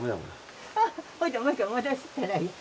もう一回戻したらいい。